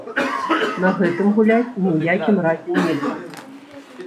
На гэтым гуляць ні ў якім разе нельга!